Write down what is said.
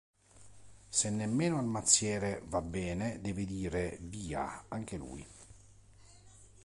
Se nemmeno al mazziere va bene deve dire "via" anche lui.